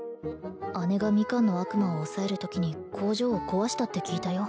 姉がミカンの悪魔を抑えるときに工場を壊したって聞いたよ